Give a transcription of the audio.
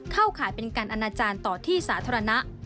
ข่ายเป็นการอนาจารย์ต่อที่สาธารณะ